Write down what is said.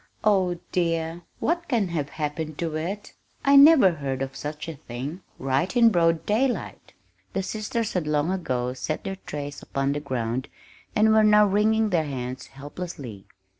"Oh, dear! What can have happened to it? I never heard of such a thing right in broad daylight!" The sisters had long ago set their trays upon the ground and were now wringing their hands helplessly.